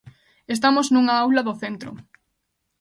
Estamos nunha aula do centro.